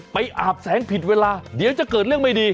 อาบแสงผิดเวลาเดี๋ยวจะเกิดเรื่องไม่ดี